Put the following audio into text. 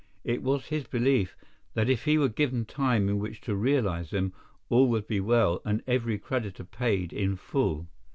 It was his belief that if he were given time in which to realize them, all would be well and every creditor paid in full.